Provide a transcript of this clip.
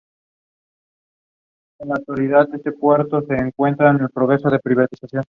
Nada se sabe de su lugar de nacimiento y formación.